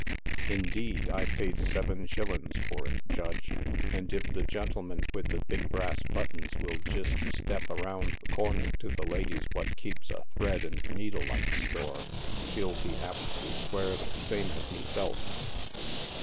" Indeed I payed seven shillins for it, Judge, and if the gentleman with the big brass buttons will jist step around the corner to the lady's what keeps a thread and needle like store, she'll be apt to swear the same as meself.